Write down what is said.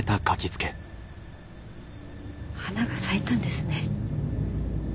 花が咲いたんですね。